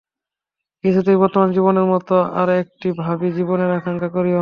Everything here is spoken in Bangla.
কিছুতেই বর্তমান জীবনের মত আর একটি ভাবী জীবনের আকাঙ্ক্ষা করিও না।